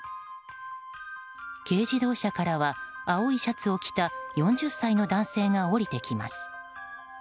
軽自動車からは青いシャツを着た４０歳の男性が降りてきます。